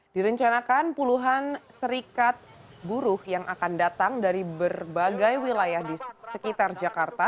direncanakan puluhan serikat buruh yang akan datang dari berbagai wilayah di sekitar jakarta